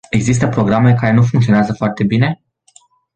Există programe care nu funcționează foarte bine?